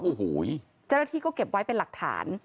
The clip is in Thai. โอ้โหเจ้าหน้าที่ก็เก็บไว้เป็นหลักฐาน